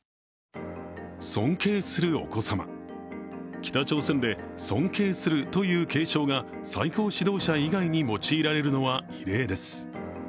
北朝鮮で、尊敬するという敬称が最高指導者以外に用いられるのは異例です。